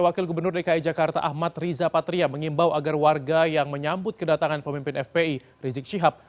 wakil gubernur dki jakarta ahmad riza patria mengimbau agar warga yang menyambut kedatangan pemimpin fpi rizik syihab